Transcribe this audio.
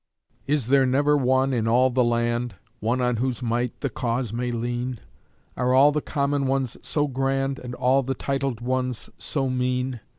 Is there never one in all the land, One on whose might the Cause may lean? Are all the common ones so grand, And all the titled ones so mean?